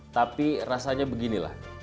tapi rasanya beginilah